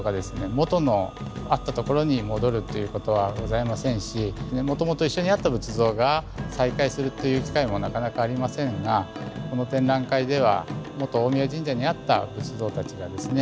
元のあったところに戻るということはございませんしもともと一緒にあった仏像が再会するという機会もなかなかありませんがこの展覧会ではもと大神神社にあった仏像たちがですね